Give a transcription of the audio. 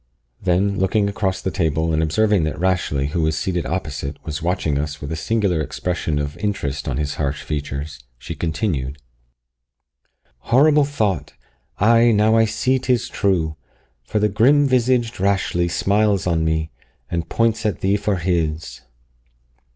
Then, looking across the table, and observing that Rashleigh, who was seated opposite, was watching us with a singular expression of interest on his harsh features, she continued "Horrible thought! Ay, now I see 'tis true, For the grim visaged Rashleigh smiles on me, And points at thee for his!